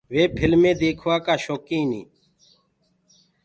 وي ڦڪلمي ديکوآ ڪآ شوڪيٚن هينٚ۔